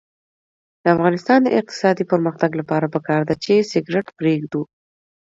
د افغانستان د اقتصادي پرمختګ لپاره پکار ده چې سګرټ پریږدو.